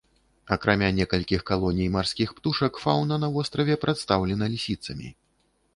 Акрамя некалькіх калоній марскіх птушак, фаўна на востраве прадстаўлена лісіцамі.